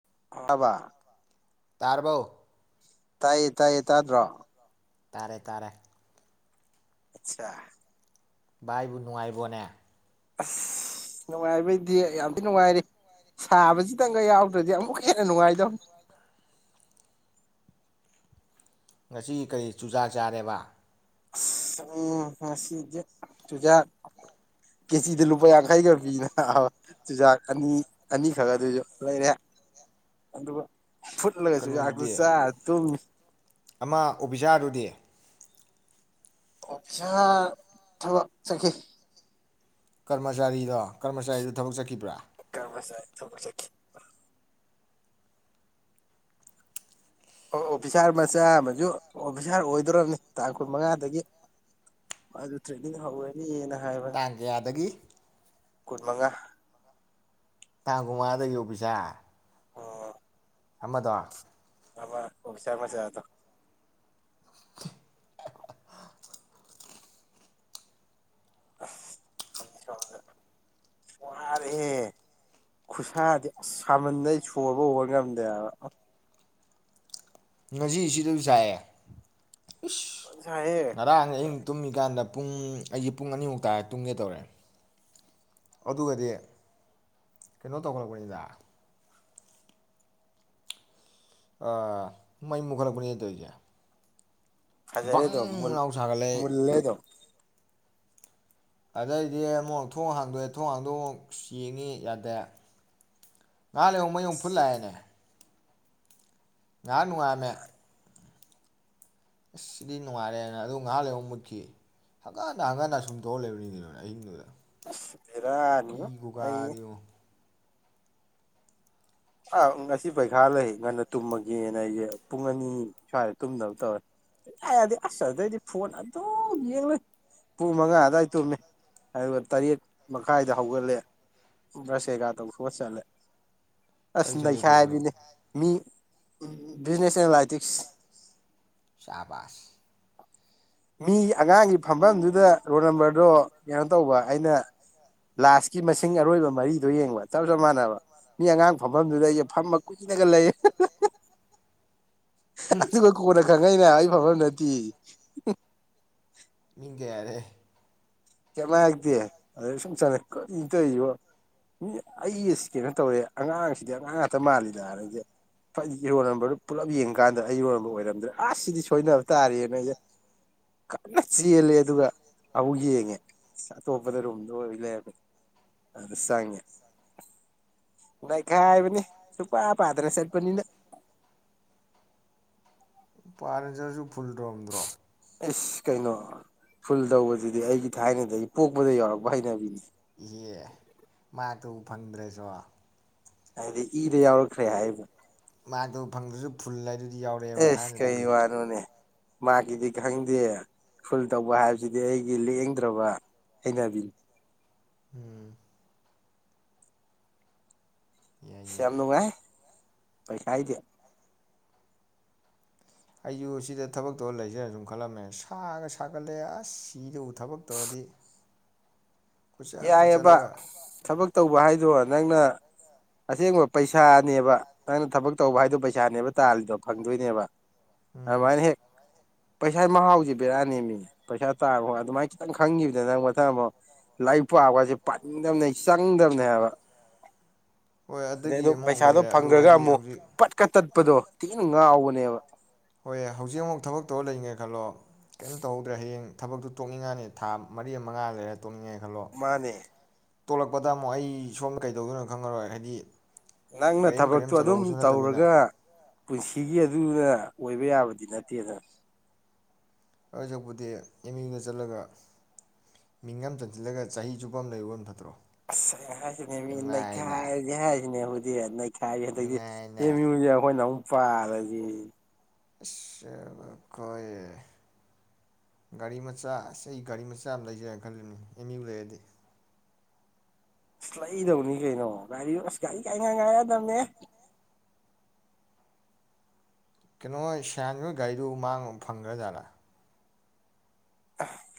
[unintelligible] ꯇꯥꯔꯕꯣ꯫ ꯇꯥꯏꯌꯦ ꯇꯥꯏꯌꯦ ꯇꯥꯗ꯭ꯔꯣ? ꯇꯥꯔꯦ ꯇꯥꯔꯦ꯫ ꯑꯁꯥ꯫ ꯚꯥꯏꯕꯨ ꯅꯨꯡꯉꯥꯏꯔꯤꯕꯣꯅꯦ? ꯑꯁ ꯅꯨꯡꯉꯥꯏꯕꯩꯗꯤ ꯌꯥꯝ ꯊꯤꯅ ꯅꯨꯡꯉꯥꯏꯔꯤ꯫ ꯁꯥꯕꯁꯤꯗꯪꯒ ꯌꯥꯎꯗ꯭ꯔꯒꯗꯤ ꯑꯃꯨꯛꯀꯥ ꯍꯦꯟꯅ ꯅꯨꯡꯉꯥꯏꯗꯧꯅꯤ꯫ ꯉꯁꯤ ꯀꯔꯤ ꯆꯨꯖꯥꯛ ꯆꯥꯔꯦꯕ? [unintelligible] ꯑꯁ ꯎꯝ ꯉꯁꯤꯗꯤ ꯆꯨꯖꯥꯛ ꯀꯦꯖꯤꯗ ꯂꯨꯄꯥ ꯌꯥꯡꯈꯩꯒ ꯄꯤ ꯅ ꯥꯕ ꯆꯨꯖꯥꯛ ꯑꯅꯤ ꯑꯅꯤꯈꯛ ꯑꯗꯨꯁꯨ ꯂꯩꯔꯦ ꯑꯗꯨꯒ ꯐꯨꯠꯂꯒ ꯆꯨꯖꯥꯛꯇꯨ ꯀꯩꯅꯣꯗꯨꯗꯤ ꯆꯥꯔ ꯇꯨꯝꯃꯤ ꯑꯃ ꯑꯣꯐꯤꯁꯥꯔꯗꯨꯗꯤ? ꯑꯣꯐꯤꯁꯥꯔ ꯊꯕꯛ ꯆꯠꯈꯤ꯫ ꯀꯔꯃꯆꯥꯔꯤꯗꯣ ꯀꯔꯃꯆꯥꯔꯤꯗꯣ ꯊꯕꯛ ꯆꯠꯈꯤꯕ꯭ꯔꯥ? ꯀꯔꯃꯆꯥꯔꯤ ꯊꯕꯛ ꯆꯠꯈꯤ꯫ ꯑꯣ ꯑꯣ ꯐꯤꯁꯥꯔ ꯃꯆꯥ ꯑꯃꯁꯨ ꯑꯣꯐꯤꯁꯥꯔ ꯑꯣꯏꯗꯣꯔꯕꯅꯤ ꯇꯥꯡ ꯀꯨꯟ ꯃꯉꯥꯗꯒꯤ ꯃꯥꯗꯨ ꯇ꯭ꯔꯦꯅꯤꯡ ꯍꯧꯔꯅꯤꯅ꯫ ꯍꯥꯏꯕꯅꯤ ꯇꯥꯡ ꯀꯌꯥꯗꯒꯤ? ꯀꯨꯟ ꯃꯉꯥ꯫ ꯇꯥꯡ ꯀꯨꯟ ꯃꯉꯥꯗꯒꯤ ꯑꯣꯐꯤꯁꯥꯔ? ꯑꯣ ꯑꯃꯗꯣ? ꯑꯃ ꯑꯣꯐꯤꯁꯥꯔ ꯃꯆꯥꯗꯣ꯫ ꯍꯦ ꯍꯦ ꯑꯁ [unintelligible] ꯋꯥꯔꯦ ꯍꯦ ꯈꯨꯁꯥꯗꯤ ꯑꯁ ꯁꯥꯃꯟꯗꯩ ꯁꯣꯔꯕꯣ ꯍꯣꯟꯕ ꯉꯝꯗꯦ ꯍꯥꯏꯕ꯫ ꯉꯁꯤ ꯁꯤꯗꯁꯨ ꯁꯥꯏꯌꯦ ꯏꯁ ꯐꯖꯅ ꯁꯥꯏꯍꯦ ꯉꯔꯥꯡ ꯑꯍꯤꯡ ꯇꯨꯝꯃꯤꯀꯥꯟꯗ ꯄꯨꯡ ꯑꯩꯁꯦ ꯄꯨꯡ ꯑꯅꯤꯃꯨꯛ ꯇꯥꯔꯦ ꯇꯨꯝꯒꯦ ꯇꯧꯔꯦ ꯑꯗꯨꯒꯗꯤ ꯀꯩꯅꯣ ꯇꯧꯈꯠꯂꯛꯄꯅꯤꯗ ꯑ ꯃꯩ ꯃꯨꯈꯠꯂꯛꯄꯅꯦ ꯇꯧꯔꯤꯁꯦ꯫ ꯐꯖꯔꯦ ꯕꯪ ꯑꯗꯨꯝ ꯂꯥꯎ ꯁꯥꯒꯠꯂꯛꯑꯦ ꯃꯨꯟꯂꯦ ꯑꯗꯨꯝ꯫ ꯑꯗꯩꯗꯤ ꯑꯃꯨꯛ ꯊꯣꯡ ꯍꯥꯡꯗꯣꯛꯑꯦ ꯊꯣꯡ ꯍꯥꯡꯗꯣꯛ ꯑꯃꯨꯛ ꯑꯁ ꯌ‌ꯦꯡꯉꯤ ꯌꯥꯗꯦ, ꯉꯩꯍꯥꯛ ꯂꯩꯔꯒ ꯃꯩ ꯑꯉꯨꯛ ꯐꯨꯠ ꯂꯥꯛꯑꯦꯅꯦ ꯉꯩꯍꯥꯛ ꯅꯨꯡꯉꯥꯏꯔꯝꯃꯦ ꯑꯁ ꯁꯤꯗꯤ ꯅꯨꯡꯉꯥꯏꯔꯦꯅ ꯑꯗꯨ ꯉꯥꯏꯍꯥꯛ ꯂꯩꯔ ꯃꯨꯠꯈꯤ ꯍꯪꯀꯠ ꯍꯟꯗꯥ ꯍꯪꯀꯠ ꯍꯟꯗꯥ ꯑ ꯁꯨꯝ ꯇꯧ ꯂꯩꯕꯅꯤꯗꯅ ꯑꯍꯤꯡꯗꯨꯗ ꯑꯁ ꯕꯦꯔꯥꯅꯤꯉꯣ ꯏ ꯑꯩꯁꯦ ꯒꯣꯀꯥꯗꯤ ꯌꯦꯡꯉꯣ ꯑ ꯉꯁꯤ ꯄꯔꯤꯈꯥ꯭ꯌ ꯂꯩ ꯉꯟꯅ ꯇꯨꯝꯃꯒꯦꯅ ꯑꯩꯁꯦ ꯄꯨꯡ ꯑꯅꯤ ꯁ꯭ꯋꯥꯏꯗ ꯇꯨꯝꯅꯕ ꯇꯧꯔꯦ ꯏꯌꯥ ꯌꯥꯗꯦ ꯑꯁ ꯑꯗꯩꯗꯤ ꯐꯣꯟ ꯑꯗꯨꯝ ꯌꯦꯡ ꯂꯩ ꯄꯨꯡ ꯃꯉꯥ ꯑꯗꯨꯋꯥꯏꯗ ꯇꯨꯝꯃꯦ ꯑꯗꯨꯒ ꯇꯔꯦꯠ ꯃꯈꯥꯏꯗ ꯍꯧꯒꯠꯂꯦ ꯕ꯭꯭ꯔꯖ ꯀꯩ ꯀꯥ ꯇꯧꯊꯣꯛꯑ ꯆꯠꯂꯦ꯫ ꯑꯁ ꯀꯔꯤ ꯁꯕꯖꯦꯛ ꯊꯣꯛꯄꯅꯣ ꯅꯩꯈꯥꯏꯕꯤꯅꯦ ꯃꯤ ꯎꯝ ꯕꯤꯖꯤꯅꯦꯁ ꯑꯅꯂꯥꯏꯇꯤꯛꯁ ꯁꯥꯕꯥꯁ ꯃꯤ ꯑꯉꯥꯡꯒꯤ ꯐꯝꯐꯝꯗꯨꯗ ꯔꯣꯜ ꯅꯝꯕꯔꯗꯣ ꯀꯩꯅꯣ ꯇꯧꯕ ꯑꯩꯅ ꯂꯥꯁꯀꯤ ꯃꯁꯤꯡ ꯑꯔꯣꯏꯕ ꯃꯔꯤꯗꯣ ꯌꯦꯡꯕ ꯆꯞ ꯆꯞ ꯃꯥꯟꯅꯕ ꯃꯤ ꯑꯉꯥꯡ ꯃꯝꯐꯝꯗꯨꯗ ꯑꯩ ꯐꯝꯃ ꯀꯨꯏꯅꯒ ꯂꯩꯌꯦ ꯑꯍ ꯍ ꯍ ꯑꯗꯨꯒ ꯀꯣꯟꯅ ꯈꯪꯉꯛꯏꯅ ꯍꯥꯏꯕ ꯑꯩ ꯐꯝꯕꯝ ꯅꯠꯇꯦ ꯃꯤꯡ ꯀꯩ ꯍꯥꯏꯔꯛꯑꯦ꯫ ꯀꯩꯝꯍꯥꯏꯇꯦ ꯑꯗꯩ ꯁꯨꯝ ꯆꯠꯂꯦ ꯀꯔꯤꯅꯣ ꯇꯩꯖꯤꯕꯣ ꯃꯤ ꯑꯩꯁ ꯀꯩꯅꯣ ꯇꯧꯔꯦ ꯑꯉꯥꯡ ꯁꯤꯗ ꯑꯉꯥꯡ ꯉꯥꯛꯇ ꯃꯥꯜꯂꯤꯗ ꯍꯥꯏꯔꯒ ꯐꯩꯒ ꯔꯣꯜꯅꯝꯕ꯭ꯔꯗꯣ ꯄꯨꯂꯞ ꯌꯦꯡꯉꯛꯑ ꯀꯥꯟꯗ ꯑꯩꯔꯣꯜꯕꯔ ꯑꯣꯏꯔꯝꯗ꯭ꯔꯦ ꯑꯁ ꯁꯤꯗꯤ ꯁꯣꯏꯅꯕ ꯇꯥꯔꯦꯅ ꯑꯩꯁꯦ ꯈꯪꯗꯦ ꯆꯦꯜꯂꯦ ꯑꯗꯨꯒ ꯑꯃꯨꯛ ꯌꯦꯡꯉꯦ꯫ ꯑꯇꯣꯞꯄꯗ ꯔꯨꯝꯗꯣ ꯑꯣꯏ ꯂꯩꯃꯦ ꯑꯗꯨ ꯆꯪꯉꯦ ꯅꯩꯈꯥꯏꯕꯤꯅꯤ ꯁꯨꯞ ꯄꯥꯗꯅ ꯆꯠꯄꯅꯤꯅ ꯄꯥꯅꯁꯁꯨ ꯐꯨꯜ ꯇꯧꯔꯝꯗ꯭ꯔꯣ ꯑꯦꯁ ꯀꯩꯅꯣ ꯐꯨꯜ ꯇꯧꯕꯁꯤꯗꯤ ꯑꯩꯒꯤ ꯊꯥꯏꯅꯗꯒꯤ ꯄꯣꯛꯄꯗ ꯌꯎꯔꯛꯄ ꯍꯩꯅꯕꯤꯅꯤ꯫ ꯏꯍꯦ ꯃꯥꯛꯇ ꯎ ꯐꯪꯗ꯭ꯔꯁꯨ꯫ ꯍꯥꯏꯗꯤ ꯏꯗ ꯌꯥꯎꯔꯛꯈ꯭ꯔꯦ ꯍꯥꯏꯕ꯫ ꯃꯥꯛꯇꯣ ꯐꯪꯗ꯭ꯔꯁꯨ ꯐꯨꯜ ꯍꯥꯏꯗꯨ ꯑꯦꯁ ꯀꯩ ꯋꯥꯅꯣꯅꯦ ꯃꯥꯒꯤꯗꯤ ꯈꯪꯗꯦ ꯐꯨꯜ ꯇꯧꯕ ꯍꯥꯏꯕꯁꯤꯗꯤ ꯑꯩꯒꯤ ꯂꯦꯡꯗ꯭ꯔꯕ ꯍꯩꯅꯕꯤꯅꯤ꯫ ꯎꯝ꯫ ꯌꯥꯏ ꯌꯥꯏ ꯌꯥꯝꯅꯨꯡꯉꯥꯏ꯫ ꯄꯩꯁꯥꯏꯗꯤ ꯑꯩꯁꯨ ꯁꯤꯗ ꯊꯕꯛ ꯇꯧꯔ ꯂꯩꯖꯤꯔ ꯁꯨꯝ ꯈꯜꯂꯝꯃꯦ ꯁꯥꯒ ꯁꯥꯒꯠꯂꯦ ꯑꯁ ꯁꯤꯗꯧ ꯊꯕꯛ ꯇꯧꯔꯗꯤ꯫ ꯀꯣꯏꯆꯠ ꯌꯥꯏꯌꯦꯕ ꯆꯠꯂꯒ ꯊꯕꯛ ꯇꯧꯕ ꯍꯥꯏꯗꯣ ꯅꯪꯅ ꯑꯁꯦꯡꯕ ꯄꯩꯁꯥꯅꯦꯕ ꯅꯪꯅ ꯊꯕꯛ ꯇꯧꯕ ꯍꯥꯏꯗꯣ ꯄꯩꯁꯥꯅꯦꯕ ꯇꯥꯜꯂꯤꯗꯣ ꯐꯪꯗꯣꯏꯅꯦꯕ ꯎꯝ ꯑꯗꯨꯃꯥꯏꯅ ꯍꯦꯛ ꯄꯩꯁꯥ ꯃꯍꯥꯎꯁꯦ ꯕꯦꯔꯥꯅꯦꯃꯤ ꯄꯩꯁꯥ ꯇꯥꯟꯕ ꯈꯣ ꯑꯗꯨꯃꯥꯏ ꯈꯤꯇꯪ ꯈꯪꯈꯤꯕꯗ ꯅꯪ ꯃꯊꯪ ꯃꯨꯛ ꯂꯥꯏꯔꯤꯛ ꯄꯥꯕꯍꯥꯏꯁꯦ ꯄꯅꯤꯡꯗꯝꯅꯦ ꯆꯪꯗꯝꯅꯦ ꯍꯥꯏꯕ ꯍꯣꯏ ꯑꯗꯩ ꯑꯗꯨꯒꯤ ꯑꯗꯨꯝ ꯑꯃꯨꯛ ꯄꯩꯁꯥꯗꯣ ꯂꯩꯔꯦ ꯑꯗꯨ ꯐꯪꯒ꯭ꯔꯒ ꯍꯥꯏꯗꯤ ꯑꯃꯨꯛ ꯍꯧꯖꯤꯛ ꯄꯠꯀ ꯇꯠꯄꯗꯣ ꯊꯤꯅ ꯉꯥꯎꯕꯅꯤ [unintelligible] ꯍꯣꯏ ꯍꯧꯖꯤꯛ ꯑꯃꯨꯛ ꯊꯕꯛ ꯇꯧꯔ ꯂꯩꯅꯤꯡꯉꯦ ꯈꯜꯂꯣ ꯀꯩꯝ ꯇꯧꯍꯧꯗ꯭ꯔꯦ ꯍꯌꯦꯡ ꯊꯕꯛꯇꯨ ꯇꯣꯛꯅꯤꯡꯉꯅꯤ ꯊꯥ ꯃꯔꯤ ꯑꯝ ꯃꯉꯥ ꯑꯝ ꯂꯩꯔ ꯇꯣꯛꯅꯤꯡꯉꯦ ꯈꯜꯂꯣ ꯃꯥꯅꯦ ꯇꯣꯂꯛꯄꯗ ꯑꯃꯨꯛ ꯑꯩ ꯁꯣꯝꯗ ꯀꯩꯗꯧꯗꯣꯏꯅꯣ ꯈꯪꯉꯔꯣꯏ ꯍꯥꯏꯗꯤ ꯅꯪꯅ ꯀꯔꯤꯝ ꯀꯔꯤꯝ ꯊꯕꯛꯇꯣ ꯑꯗꯨꯝ ꯆꯜꯍꯧꯕꯁꯨ ꯅꯠꯇꯕꯅꯤꯅ ꯇꯧꯔꯒ ꯄꯨꯟꯁꯤꯒꯤ ꯑꯗꯨꯒ ꯑꯣꯏꯕ ꯌꯥꯕꯗꯤ ꯅꯠꯇꯦꯗ ꯑꯗꯨꯁꯛꯄꯨꯗꯤ ꯑꯦꯝ ꯌꯨꯗ ꯆꯠꯂꯒ ꯃꯤꯡ ꯑꯃ ꯆꯟꯖꯤꯜꯂꯒ ꯆꯍꯤ ꯆꯨꯞꯄ ꯑꯃ ꯂꯩꯔꯨꯕꯅ ꯐꯠꯇꯔꯣ ꯑꯁ ꯑꯩ ꯍꯥꯏꯈꯤꯝꯅꯦꯃꯤ ꯅꯩꯈꯥꯏꯔꯖꯦ ꯍꯥꯏꯔꯤꯅꯦꯕ ꯑꯦ ꯅꯩ ꯈꯥꯏꯔꯦ ꯍꯟꯗꯛꯇꯤ ꯅꯨꯡꯉꯥꯏꯅ ꯑꯦꯝ ꯌꯨ ꯖꯦ ꯑꯈꯣꯏꯅ ꯑꯃꯨꯛ ꯄꯥꯔꯗꯒꯤ ꯑꯁ ꯑꯩꯈꯣꯏ ꯒꯥꯔꯤ ꯃꯆꯥ ꯑꯁ ꯑꯩ ꯒꯥꯔꯤ ꯃꯆꯥ ꯑꯃ ꯂꯩꯁꯤꯔꯥꯅ ꯈꯜꯂꯤꯕꯅꯤ ꯑꯦꯝ ꯌꯨꯗ ꯂꯩꯔꯗꯤ ꯑꯁ ꯂꯩꯗꯧꯅꯤ ꯀꯩꯅꯣ ꯒꯔꯤ ꯑꯁ ꯒꯔꯤ ꯉꯥꯛ ꯉꯥꯏ ꯔꯛꯑꯗꯕꯅꯦ ꯀꯩꯅꯣ ꯁꯤꯌꯥꯟꯅꯤꯍꯣꯏ ꯒꯥꯔꯤꯗꯨ ꯃꯥꯡꯉꯨ ꯐꯪꯒ꯭ꯔꯖꯥꯔꯥ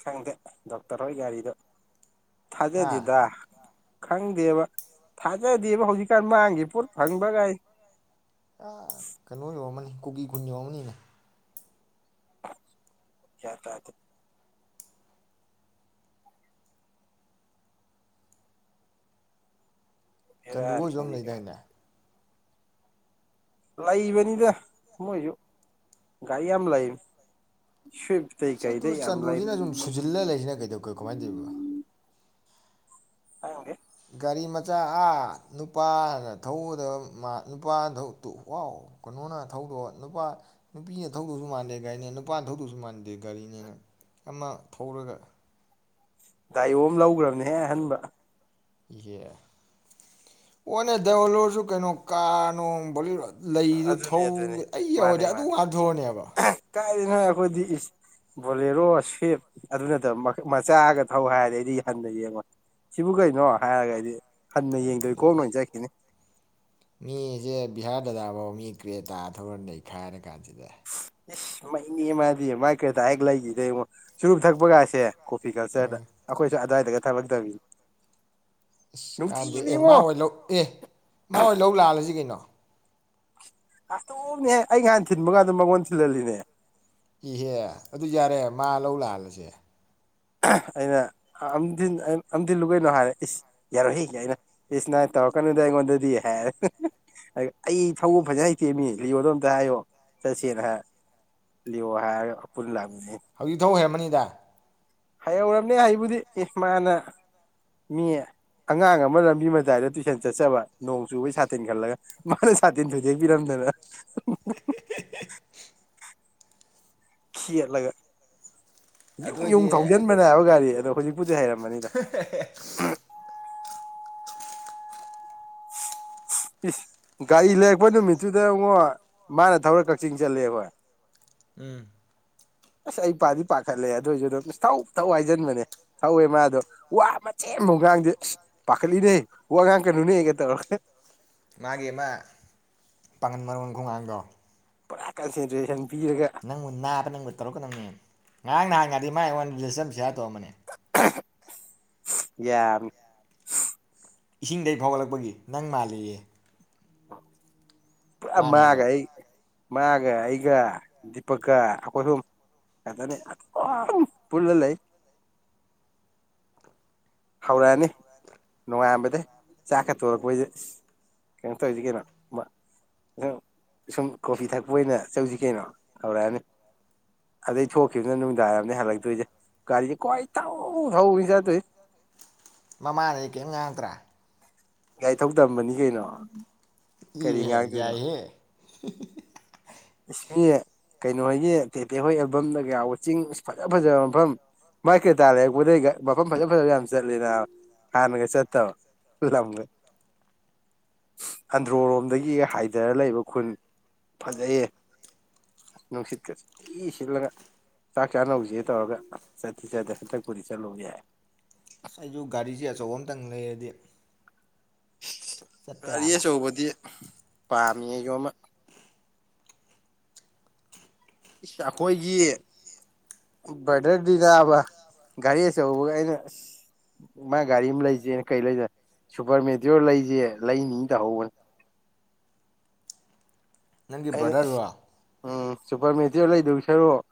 ꯈꯪꯗꯦ ꯗꯣꯛꯇꯔ ꯑꯣꯏ ꯒꯥꯔꯤꯗꯣ ꯍꯥ ꯊꯥꯖꯗꯦꯗ ꯈꯪꯗꯦꯕ ꯊꯥꯖꯗꯦꯕ ꯍꯧꯖꯤꯛꯀꯥꯟ ꯃꯥꯡꯒꯤ ꯄꯣꯠ ꯐꯪꯕꯒꯥꯏ ꯑ ꯀꯩꯅꯣ ꯌꯧꯔꯝꯃꯅꯤ ꯀꯨꯀꯤ ꯈꯨꯟ ꯌꯧꯔꯝꯃꯅꯤꯅꯦ ꯑꯥ ꯒꯌꯥꯟ ꯇꯥꯗꯦ ꯆꯟꯗꯨ ꯕꯦꯔꯥꯅꯤ ꯍꯣꯏꯁꯨ ꯑꯃ ꯍꯧꯖꯤꯛꯀꯥꯟ ꯂꯩꯗꯥꯏꯅꯦ ꯂꯩꯕꯅꯤꯗ ꯃꯣꯏꯖꯨ ꯒꯥꯔꯤ ꯌꯥꯝ ꯂꯩꯝꯅꯤ꯫ ꯑꯁ ꯑꯗꯨ ꯆꯟꯗꯨꯁꯤꯅ ꯁꯨꯝ ꯁꯨꯖꯤꯜꯂꯒ ꯂꯩꯁꯤꯅ ꯀꯩꯗꯧ ꯀꯃꯥꯏꯅ ꯇꯧꯔꯤꯕꯅꯣ ꯈꯪꯗꯦ ꯒꯥꯔꯤ ꯃꯆꯥ ꯑꯥ ꯅꯨꯄꯥꯅ ꯊꯧꯒꯗꯕ ꯅꯨꯄꯥꯅ ꯋꯥꯎ ꯀꯩꯅꯣꯅ ꯊꯧꯗꯣꯛ ꯅꯨꯄꯥ ꯅꯨꯄꯤꯅ ꯊꯧꯗꯁꯨ ꯃꯥꯟꯗꯦ ꯒꯥꯔꯤꯅꯦ ꯅꯨꯄꯥꯅ ꯊꯧꯗꯁꯨ ꯃꯥꯟꯗꯦ ꯒꯥꯔꯤꯅꯦꯅ ꯑꯃ ꯊꯧꯔꯒ ꯗꯥꯏꯌꯣ ꯑꯃ ꯂꯧꯒꯔꯝꯅꯤꯍꯦ ꯑꯍꯟꯕ ꯏꯍꯦ ꯑꯣꯅ ꯗꯧꯂꯧꯔꯁꯨ ꯀꯩꯅꯣ ꯀꯥꯔ ꯅꯣꯡ ꯕꯣꯂꯦꯔ ꯂꯩꯗꯨ ꯑꯗꯨꯅꯦ ꯊꯧ ꯑꯗꯨꯅꯦ ꯑꯩ ꯌꯧꯔꯗꯤ ꯑꯗꯨ ꯍꯥꯟ ꯊꯧꯔꯅꯤꯌꯦꯕ ꯀꯥꯏꯗꯩꯅꯣꯍꯦ ꯑꯩꯈꯣꯏꯗꯤ ꯏꯁ ꯕꯣꯂꯦꯔꯣ ꯁꯋꯤꯞ ꯑꯗꯨ ꯅꯠꯇꯕ ꯃꯆꯥꯒ ꯊꯧ ꯍꯥꯏꯔꯗꯤ ꯑꯩꯗꯤ ꯍꯟꯅ ꯌꯦꯡꯉꯣꯏ ꯁꯤꯕꯨ ꯀꯩꯅꯣ ꯍꯥꯏꯔꯒ ꯑꯩꯗꯤ ꯍꯟꯅ ꯌꯦꯡꯗꯕꯤ ꯑꯗꯨꯅꯦ ꯈꯣꯡꯅ ꯑꯩꯁꯦ ꯑꯣꯏꯅ ꯆꯠꯈꯤꯅꯤ ꯃꯤꯁꯦ ꯕꯤꯍꯥꯔꯗꯗꯥꯐꯧ ꯃꯤ ꯀ꯭ꯔꯦ ꯇꯥ ꯊꯧꯔ ꯅꯩꯈꯥꯏꯔ ꯀꯥꯟꯁꯤꯗ ꯏꯁ ꯃꯩꯅꯤꯍꯦ ꯃꯥꯗꯤ ꯃꯥꯏ ꯀ꯭ꯔꯤꯇꯥ ꯍꯦꯛ ꯂꯩꯈꯤꯕꯗꯩ ꯆꯨꯔꯨꯞ ꯊꯛꯄꯒꯁꯦ ꯀꯣꯐꯤꯀꯜꯆꯔꯗ ꯎꯝ ꯑꯈꯣꯏꯁꯨ ꯑꯗꯥꯏ ꯇꯒ ꯊꯕꯛ ꯇꯧꯕꯤꯅꯤ ꯑꯁ ꯀꯥꯟꯗꯦ ꯑꯦ ꯃꯥ ꯑꯣꯏ ꯂꯧ ꯑꯦ ꯃꯥ ꯑꯣꯏ ꯂꯧ ꯂꯥꯛꯍꯜꯂꯁꯤ ꯀꯩꯅꯣ? ꯑꯗꯨꯝꯅꯦꯍ ꯑꯩ ꯅꯍꯥꯟ ꯊꯤꯟꯕ ꯀꯥꯟꯗ ꯃꯉꯣꯟꯗ ꯊꯤꯟꯍꯜꯂꯤꯅꯦ ꯏꯍꯦ ꯑꯗꯨ ꯌꯥꯔꯦ ꯃꯥ ꯂꯧ ꯂꯥꯛꯍꯜꯂꯁꯦ ꯑꯩꯅ ꯑꯝ ꯑꯝꯊꯤꯜꯂꯨ ꯀꯩꯅꯣ ꯍꯥꯏꯔꯦ ꯏꯁ ꯌꯥꯔꯣꯏꯍꯦ ꯒꯥꯏꯅ ꯏꯁ ꯅꯪ ꯇꯧꯔꯛꯀꯅꯩꯗ ꯑꯩꯉꯣꯟꯗꯗꯤ ꯍꯥꯏꯔ ꯑꯩ ꯊꯧꯕ ꯐꯖ ꯍꯩꯇꯦꯃꯤ ꯂꯤꯌꯣꯗꯣ ꯑꯝꯇ ꯍꯥꯏꯌꯣ ꯆꯠꯁꯦꯅ ꯍꯥꯏ ꯂꯤꯌꯣ ꯍꯥꯏꯔꯒ ꯄꯨꯟꯅ ꯂꯥꯛꯄ ꯍꯧꯖꯤꯛ ꯊꯧ ꯍꯩꯔꯝꯃꯅꯤ ꯗꯥ ꯍꯩꯍꯧꯔꯝꯅꯦ ꯍꯩꯕꯨꯗꯤ ꯑꯦ ꯃꯥꯅ ꯃꯤ ꯑꯉꯥꯡ ꯑꯃ ꯂꯝꯕꯤ ꯃꯇꯥꯏꯗ ꯇꯨꯏꯁꯟ ꯆꯠꯆꯕ ꯅꯣꯡ ꯆꯨꯕꯩ ꯁꯥꯇꯤꯟ ꯈꯜꯂꯒ ꯃꯥꯅ ꯁꯥꯇꯤꯟ ꯊꯨꯗꯦꯛꯄꯤꯔꯝꯗꯅ ꯈꯦꯠ ꯂꯒ ꯑꯗꯨ ꯌꯨꯡ ꯌꯨꯡ ꯑꯣꯏꯗꯤ ꯊꯧꯖꯟꯕꯅꯦ ꯍꯥꯏꯕ ꯒꯥꯔꯤ ꯗꯨ ꯗꯣ ꯍꯧꯖꯤꯛ ꯕꯨꯗꯤ ꯍꯥꯏꯩꯔꯝꯃꯅꯤꯗ ꯏꯁ ꯒꯥꯔꯤ ꯂꯩꯔꯛꯄ ꯅꯨꯃꯤꯠꯇꯨꯗ ꯑꯕꯨꯡꯉꯣ ꯃꯥꯅ ꯊꯧꯔ ꯀꯛꯆꯤꯡ ꯆꯠꯂꯦ ꯑꯩꯈꯣꯏ ꯎꯝ ꯑꯁ ꯑꯩ ꯄꯥꯗꯤ ꯄꯥꯈꯠꯂꯦ ꯑꯗꯨꯑꯣꯏꯁꯨ ꯑꯗꯨꯝ ꯊꯧ ꯊꯧ ꯍꯥꯏꯖꯟꯕꯅꯦ ꯊꯧꯋꯦ ꯃꯥꯗꯣ ꯋꯥ ꯃꯆꯦꯠ ꯑꯝꯕꯥꯎ ꯉꯥꯡꯗꯦ ꯑꯁ ꯄꯥꯈꯠꯂꯤꯅꯦ ꯋꯥ ꯉꯥꯡꯉꯛ ꯀꯅꯨꯅꯦ ꯍꯦꯛꯒ ꯇꯧꯔꯛꯑꯒ ꯃꯥꯒꯤ ꯑꯃ ꯄꯥꯡꯒꯟ ꯃꯔꯣꯟ ꯈꯨꯉꯥꯡꯗꯣ ꯄꯨꯔꯥ ꯀꯟꯁꯦꯟꯇꯔꯦꯁꯟ ꯅꯪꯕꯨ ꯅꯥꯕ ꯅꯪꯕꯨ ꯇꯧꯔꯛꯀꯅꯣꯃꯤ ꯉꯔꯥꯡ ꯅꯍꯥꯟ [unintelligible] ꯗꯤ ꯃꯥ ꯑꯩꯉ‌ꯣꯟꯗ ꯂꯤꯁ ꯑꯝ ꯁꯤꯌꯥꯔ ꯇꯧꯔꯝꯕꯅꯤ ꯌꯥꯝ ꯏꯁꯤꯡꯗꯩ ꯐꯥꯎꯒꯠꯂꯛꯄꯒꯤ ꯅꯪ ꯃꯥꯜ‌ꯂ‌ꯦꯌ‌ꯦ [unintelligible] ꯄꯨꯔꯥ ꯍꯥꯏꯕ ꯃꯥꯒ ꯑꯩ ꯃꯥꯒ ꯑꯩꯒ ꯗꯤꯄꯛꯀ ꯑꯩꯈꯣꯏ ꯍꯨꯝ ꯈꯖꯅ ꯑꯗꯨꯝ ꯄꯨꯜꯂ ꯂꯩ ꯍꯧꯔꯛꯑꯅꯤ ꯅꯣꯡꯉꯥꯥꯟꯕꯗꯩ ꯆꯥꯛ ꯀ ꯇꯣꯔꯛꯄꯁꯤꯗ ꯏꯍ ꯀꯩꯅꯣ ꯇꯧꯔꯤꯁꯤ ꯀꯩꯅꯣ ꯃꯥ ꯁꯨꯝ ꯀꯣꯐꯤ ꯊꯛꯄ ꯑꯣꯏꯅ ꯆꯧꯁꯤ ꯀꯩꯅꯣ ꯍꯧꯔꯛꯑꯅꯤ ꯑꯗꯩ ꯊꯣꯛꯈꯤꯕꯗꯨꯅ ꯅꯨꯃꯤꯗꯥꯡꯋꯥꯢꯔꯅ‌ꯦ ꯍꯜꯂꯛꯇꯣꯏꯁꯦ ꯒꯥꯔꯤꯁꯦ ꯀ‌ꯣꯏ ꯊꯧ ꯊꯧꯕꯅꯤ ꯆꯠꯇ‌ꯣꯢꯁ‌ꯦ ꯃꯃꯥꯅꯗꯤ ꯀꯔꯤꯝ ꯉꯥꯡꯇ꯭ꯔꯥ ꯒꯥꯔꯤ ꯊꯧ ꯇꯝꯕꯅꯤ ꯀꯩꯅꯣ ꯀꯔꯤ ꯏꯍꯦ ꯉꯥꯡꯗꯣꯏꯅꯣ ꯌꯥꯏꯍꯦ [unintelligible] ꯏꯁ [unintelligible] ꯀꯩꯅꯣ ꯍꯣꯏꯒꯤ ꯇꯦꯄꯦ ꯍꯣꯏ ꯑꯦꯜꯕꯝꯗꯒ ꯌꯥꯎꯕ ꯆꯤꯡ ꯐꯖ ꯐꯖꯕ ꯃꯐꯝ ꯃꯥꯏ ꯀ꯭ꯔꯦꯇꯥ ꯂꯩꯔꯛꯄꯗꯩ ꯃꯐꯝ ꯐꯖ ꯐꯖꯕ ꯌꯥꯝ ꯆꯠꯂꯦꯅ ꯍꯥꯟꯅꯒ ꯆꯠꯇꯕ ꯂꯝꯒ ꯑꯟꯗ꯭ꯔꯣꯔꯣꯝꯗꯒꯤ ꯍꯥꯏꯊꯔ ꯂꯩꯕ ꯈꯨꯟ ꯐꯖꯩꯌꯦ ꯅꯨꯡꯁꯤꯠꯀꯁꯤꯊꯤ ꯁꯤꯠꯂꯒ ꯆꯥꯛ ꯆꯥꯅꯧꯁꯦ ꯇꯧꯔꯒ ꯆꯠꯇꯤ ꯆꯠꯇꯦ ꯍꯟꯗꯛꯄꯨꯗꯤ ꯆꯠꯂꯨꯕ ꯌꯥꯏ ꯑꯩꯁꯨ ꯒꯥꯔꯤꯁꯦ ꯑꯆꯧꯕ ꯑꯃꯇꯪ ꯂꯩꯔꯗꯤ ꯆꯠꯄ ꯒꯥꯔꯤ ꯌꯥꯕ ꯑꯆꯧꯕꯗꯤ ꯄꯥꯝꯃꯤꯌꯦ ꯌꯣꯝꯃ ꯏꯁ ꯑꯩꯈꯣꯏꯒꯤ ꯕ꯭ꯔꯗꯔꯗꯤ ꯅꯥꯕ ꯒꯥꯔꯤ ꯑꯆꯧꯕꯒ ꯑꯩꯅ ꯑꯁ ꯃꯥ ꯒꯥꯔꯤ ꯑꯃ ꯂꯩꯁꯦꯅ ꯀꯔꯤ ꯂꯩꯗ ꯁꯨꯄꯔ ꯃꯦꯇꯤꯌꯣꯔ ꯂꯩꯁꯦ ꯂꯩꯅꯤ ꯇꯥꯍꯧꯕꯅꯦ ꯅꯪꯒꯤ ꯑꯩꯅ ꯕ꯭ꯔꯗꯔ ꯔ‌ꯣ ꯎꯝ ꯁꯨꯄꯔ ꯃꯦꯇꯤꯌ‌ꯣꯔ ꯂꯩꯗꯧꯕꯩ ꯁꯔꯨꯛ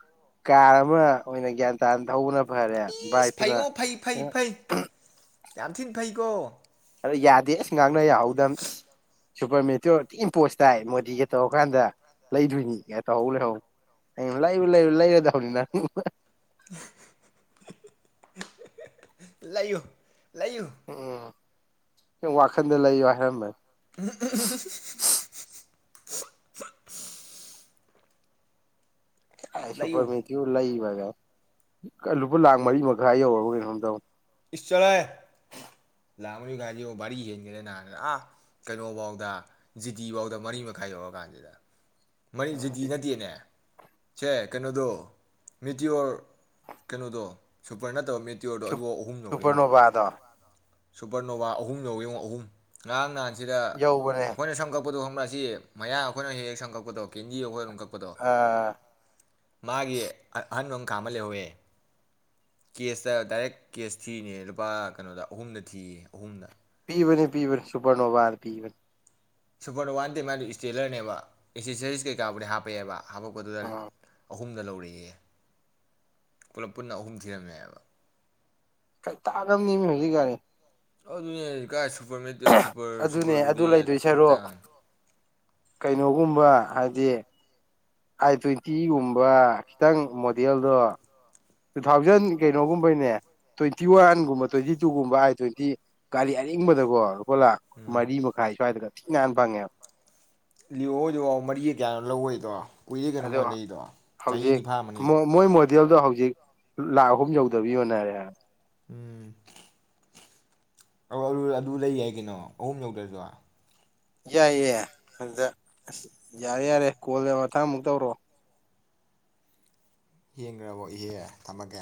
ꯀꯥꯔ ꯑꯃ ꯑꯣꯏꯅ ꯒ꯭ꯌꯥꯟ ꯇꯥꯅ ꯊꯧꯕꯅ ꯐꯔꯦ ꯏꯁ ꯕꯥꯏꯇꯨꯅ ꯐꯩꯉꯣ ꯐꯩ ꯐꯩ ꯐꯩ ꯌꯥꯝ ꯊꯤꯟ ꯐꯩꯀꯣ꯫ ꯑ ꯌꯥꯗꯦ ꯑꯁ ꯉꯥꯡꯅ ꯌꯥꯎꯍꯧꯗꯝꯅꯦ꯫ ꯁꯨꯄ꯭ꯔ ꯃꯦꯇ꯭ꯌꯣꯔ ꯊꯤꯟ ꯄꯣꯁ ꯇꯥꯏ ꯃꯣꯗꯤꯒ ꯇꯧꯔꯀꯥꯟꯗ ꯂꯩꯗꯣꯏꯅꯤ ꯌꯥ ꯇꯧꯍꯧ ꯂꯩꯍꯧ ꯑꯩ ꯂꯩꯌꯨ ꯂꯩꯌꯨ ꯂꯩꯔ [unintelligible] ꯂꯩꯌꯨ꯫ ꯂꯩꯌꯨ ꯎꯝ꯫ ꯌꯥ ꯋꯥꯈꯟꯗ ꯂꯩꯌꯣ ꯍꯥꯏꯔꯝꯕꯅꯦ꯫ [unintelligible] ꯑꯥꯏ ꯂꯩꯌꯨ ꯁꯨꯨꯄ꯭ꯔ ꯃꯦꯇ꯭ꯌꯣꯔ ꯂꯩꯕ ꯂꯨꯄꯥ ꯂꯥꯛ ꯃꯔꯤ ꯃꯈꯥꯏ ꯌꯧꯔꯕ ꯀꯩꯅꯣꯝ ꯇꯧꯅꯦ ꯏꯁ ꯆ꯭ꯔꯍꯦ [unintelligible] ꯕꯥꯔꯤ ꯍꯦꯟꯒꯔꯦ ꯅꯍꯥꯟꯅ ꯑꯥ ꯀꯩꯅꯣꯕꯥꯎꯗ ꯖꯤꯇꯤ ꯕꯥꯎꯗ ꯃꯔꯤ ꯃꯈꯥꯏ ꯌꯧꯔ ꯀꯥꯟꯖꯤꯗ꯫ ꯃꯔꯤ ꯖꯤꯗꯤ ꯅꯠꯇꯦꯅꯦ꯫ ꯁꯦ ꯀꯩꯅꯣꯗꯣ ꯃꯤꯇꯤꯌꯣꯔ ꯀꯩꯅꯣꯗꯣ ꯁꯨꯄ꯭ꯔ ꯅꯠꯇꯕ ꯃꯦ ꯇꯤꯌꯣ꯭ꯔ ꯗꯣ ꯑꯗꯨ ꯁꯨꯄꯔꯅꯣꯕꯥꯗꯣ꯫ ꯁꯨꯄ꯭ꯔ ꯅꯣꯕꯥ ꯑꯍꯨꯝ ꯌꯧꯋꯤꯉꯣ ꯑꯍꯨꯝ ꯉꯔꯥꯡ ꯅꯍꯥꯟ [unintelligible] ꯁꯤꯗ ꯌꯧꯕꯅꯦ ꯑꯩꯈꯣꯏꯅ ꯁꯝ ꯀꯛꯄ ꯀꯛꯄꯗꯣ ꯈꯪꯕ꯭ꯔꯥ ꯑꯁꯤ ꯃꯌꯥꯝ ꯑꯩꯈꯣꯏꯅ ꯍꯦꯛ ꯍꯦꯛ ꯁꯝ ꯀꯛꯄꯗꯣ ꯀꯦꯟꯗꯤ ꯑꯩꯈꯣꯏ ꯑꯗꯨꯝ ꯀꯛ ꯗꯣ ꯑꯥ ꯃꯥꯒꯤ ꯑꯥ ꯑꯍꯟꯕ ꯀꯥ ꯑꯃ ꯂꯩꯍꯧꯋꯦ ꯀꯦꯁꯇ ꯗꯥꯏꯔꯦꯛ ꯀꯦꯁ ꯊꯤꯔꯤꯅꯦ ꯂꯨꯄꯥ ꯀꯩꯅꯣꯗ ꯑꯍꯨꯝꯗ ꯊꯤꯌꯦ ꯑꯍꯨꯝꯗ ꯄꯤꯕꯅꯤ ꯄꯤꯕꯅꯤ ꯁꯨꯄꯥꯔꯅꯣꯕꯥꯅ ꯄꯤꯕꯅꯤ꯫ ꯁꯨꯄꯔꯅꯣꯕꯥ ꯅꯠꯇꯦ ꯃꯥꯏꯗꯣ ꯏꯁꯇꯦꯂꯔꯅꯦꯕ ꯑꯦꯁꯦꯁꯔꯤꯁ ꯀꯩꯀꯥꯕꯨꯗꯤ ꯍꯥꯞꯄꯛꯑꯦꯕ ꯍꯥꯞꯄꯛꯄꯗꯨꯗ ꯎꯝ ꯑꯍꯨꯝꯗ ꯂꯧꯔꯛꯑꯦꯌꯦ ꯄꯨꯂꯞ ꯄꯨꯟꯅ ꯑꯍꯨꯝ ꯊꯤꯔꯝꯃꯦꯕ ꯀꯩ ꯇꯥꯗꯝꯅꯦꯃꯤ [unintelligible] ꯑꯗꯨꯅꯦ ꯍꯥꯏꯖꯦ ꯀꯥꯏꯁꯨ ꯁꯨꯄꯔ ꯃꯦꯠ ꯁꯨꯄꯔ ꯑꯗꯨꯅꯦ ꯑꯗꯨ ꯁꯨꯄꯔꯗꯨꯗꯤ ꯂꯩꯗꯣꯏ ꯊꯤꯅ ꯁꯔꯨꯛ ꯇꯥꯡꯉꯦ꯫ ꯀꯩꯅꯣꯒꯨꯝꯕ ꯍꯥꯏꯗꯤ ꯑꯥꯏ ꯇ꯭ꯋꯦꯟꯇꯤꯒꯨꯝꯕ ꯈꯤꯇꯪ ꯃꯣꯗꯦꯜꯗꯣ ꯇꯨ ꯊꯥꯎꯖꯟ ꯀꯩꯅꯣꯒꯨꯝꯕꯩꯅꯦ ꯇ꯭ꯋꯦꯟꯇꯤ ꯋꯥꯟꯒꯨꯝꯕ ꯇ꯭ꯋꯦꯟꯇꯤ ꯇꯨꯒꯨꯝꯕ ꯑꯥꯏ ꯇ꯭ꯋꯦꯟꯇꯤ ꯒꯥꯔꯤ ꯑꯔꯤꯡꯕꯗꯀꯣ ꯂꯨꯄꯥ ꯂꯥꯛ ꯎꯝ ꯃꯔꯤ ꯃꯈꯥꯏ ꯁ꯭ꯋꯥꯏꯗꯒ [unintelligible] ꯌꯥꯥꯟ ꯐꯉꯦ ꯂꯤꯑꯣ ꯍꯣꯏꯗꯣ ꯃꯔꯤꯒ ꯀꯌꯥꯅꯣ ꯂꯧꯋꯦꯗꯣ ꯀꯨꯏꯔꯦ ꯀꯩꯅꯣ ꯑꯗꯣ ꯃꯣꯏ ꯂꯩꯔꯤꯗꯣ ꯆꯍꯤ ꯑꯅꯤ ꯐꯥꯔꯝꯃꯅꯤ ꯗꯦꯜꯗꯣ ꯍꯧꯖꯤꯛ ꯂꯥꯛ ꯑꯍꯨꯝ ꯌꯧꯗꯕꯤ ꯌꯣꯟꯅꯔꯦ ꯍꯥꯏꯝ ꯎꯝ ꯑꯧ [unintelligible] ꯑꯗꯨ ꯂꯩ ꯌꯥꯏ ꯀꯩꯅꯣ ꯑꯍꯨꯝ ꯌꯧꯗ꯭ꯔꯖꯨ꯫ ꯌꯥꯏꯌꯦ ꯑꯗꯨꯗ ꯑꯁ ꯌꯥꯔꯦ ꯌꯥꯔꯦ ꯀꯣꯜꯗꯣ ꯃꯊꯪ ꯑꯃꯨꯛ ꯇꯧꯔꯛꯑꯣ꯫ ꯌꯦꯡꯒ꯭ꯔꯕꯣ ꯏꯍꯦ ꯊꯝꯃꯒꯦ꯫